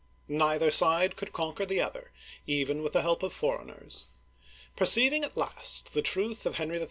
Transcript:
Neither side could conquer the other, even with the help of foreigners. Perceiving at last the truth of Henry HI.'